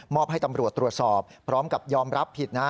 ให้ตำรวจตรวจสอบพร้อมกับยอมรับผิดนะ